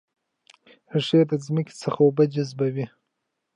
ریښې د ځمکې څخه اوبه جذبوي